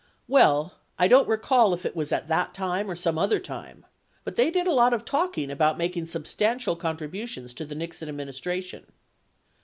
Well, I don't recall if it was at that time or some other time. But they did a lot of talking about making substantial contributions to the Nixon administration.